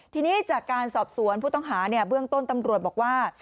ทีนี้จากการสอบสวนผู้ต้องหาเบื้องต้นตำรวจบอกว่า